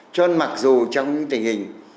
cho nên mặc dù trong những tình hình